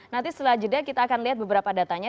nanti setelah jeda kita akan lihat beberapa datanya